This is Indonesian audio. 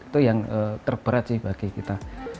itu yang terberat sih bagi kita